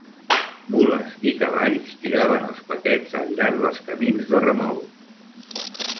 Mules i cavalls tiraven els paquets al llarg dels camins de remolc.